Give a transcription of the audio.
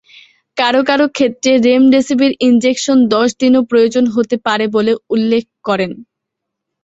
কারো কারো ক্ষেত্রে রেমডেসেভির ইনজেকশন দশ দিনও প্রয়োজন হতে পারে বলে উল্লেখ করেন।